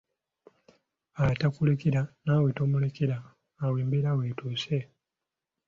Atakulekera naawe tomulekera, awo embeera weetuuse.